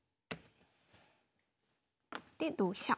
で同飛車。